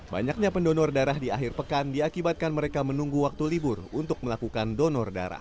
banyaknya pendonor darah di akhir pekan diakibatkan mereka menunggu waktu libur untuk melakukan donor darah